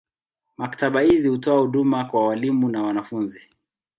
Maktaba hizi hutoa huduma kwa walimu na wanafunzi.